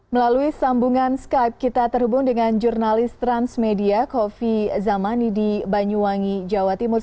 melalui sambungan skype kita terhubung dengan jurnalis transmedia kofi zamani di banyuwangi jawa timur